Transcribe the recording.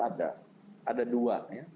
ada ada dua